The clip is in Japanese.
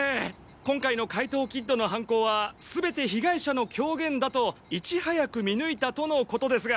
今回の怪盗キッドの犯行は全て被害者の狂言だといち早く見抜いたとのことですが？